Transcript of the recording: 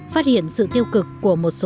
phát hiện sự tiêu cực của một số